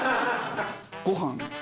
ごはん。